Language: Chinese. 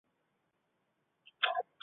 规划路线起于高铁路和重和路口路口。